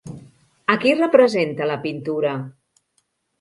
A qui representa la pintura?